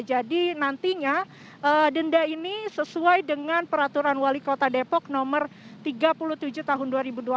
jadi nantinya denda ini sesuai dengan peraturan wali kota depok nomor tiga puluh tujuh tahun dua ribu dua puluh